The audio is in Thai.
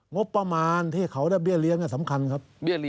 งบประมาณที่เขาได้เบี้ยเลี้ยงสำคัญครับ